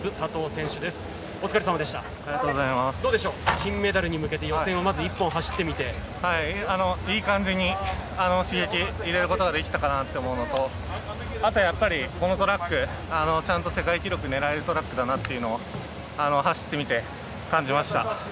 金メダルに向けて予選をまずいい感じに刺激を入れることができたかなと思うのとあとは、やっぱりこのトラックちゃんと世界記録が狙えるトラックだなと走ってみて感じました。